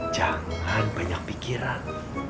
jangan banyak pikiran